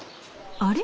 あれ？